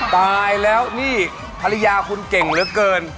ตายแล้วนี่ภรรยาคุณเก่งเหลือเกิน